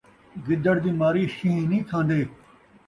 گدڑ دی ماری شین٘ہہ نئیں کھان٘دے